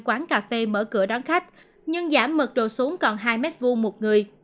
quán cà phê mở cửa đón khách nhưng giảm mật độ xuống còn hai m hai một người